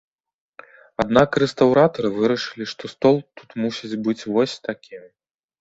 Аднак рэстаўратары вырашылі, што стол тут мусіць быць вось такі.